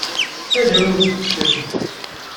Ad wen-t-fkent?